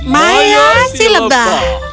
maya si lebah